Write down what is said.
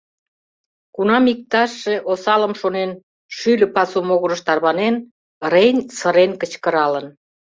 Кунам иктажше, осалым шонен, шӱльӧ пасу могырыш тарванен, Рейн сырен кычкыралын.